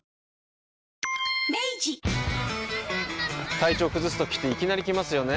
体調崩すときっていきなり来ますよね。